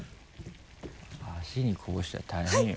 足にこぼしたら大変よ。